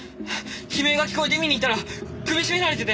悲鳴が聞こえて見に行ったら首絞められてて。